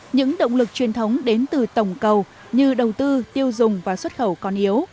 những động lực truyền thống đến từ tổng cầu như đầu tư tiêu dùng và xuất khẩu còn yếu